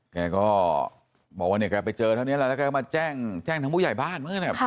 แกก็บอกว่าเนี่ยแกไปเจอเท่านี้แล้วแล้วก็มาแจ้งทั้งมุมใหญ่บ้านเมื่อกี้นะครับ